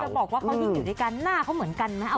คุณจะบอกว่าเขาหยิงอยู่ด้วยกันหน้าเขาเหมือนกันนะ